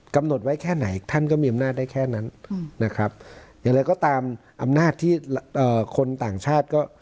กำหนดไว้แค่ไหนท่านก็มีอำนาจได้แค่นั้นนะครับอย่างไรก็ตามอำนาจที่คนต่างชาติก็